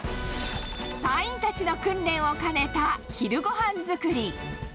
隊員たちの訓練を兼ねた昼ごはん作り。